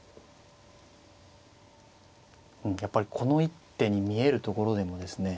やっぱりこの一手に見えるところでもですね